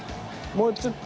もうちょっと。